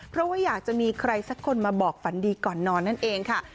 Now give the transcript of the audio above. เพราะว่าอยากจะมีใครสักคนมาบอกฝันดีก่อนนอนนั่นเองค่ะ